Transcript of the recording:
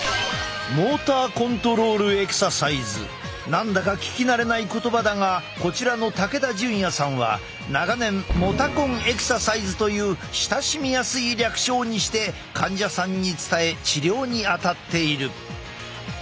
何だか聞き慣れない言葉だがこちらの武田淳也さんは長年モタコンエクササイズという親しみやすい略称にして患者さんに伝え治療に当たっている。